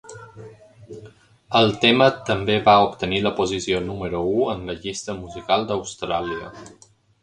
El tema també va obtenir la posició número u en la llista musical d'Austràlia.